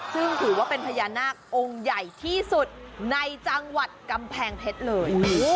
ซึ่งถือว่าเป็นพญานาคองค์ใหญ่ที่สุดในจังหวัดกำแพงเพชรเลย